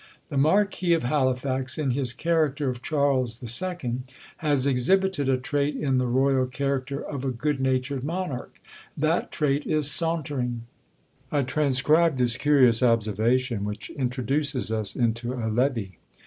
The Marquis of Halifax, in his character of Charles II., has exhibited a trait in the royal character of a good natured monarch; that trait, is sauntering. I transcribe this curious observation, which introduces us into a levee.